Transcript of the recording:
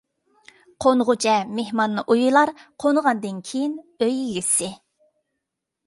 قونغۇچە مېھمان ئۇيىلار، قونغاندىن كېيىن ئۆي ئىگىسى.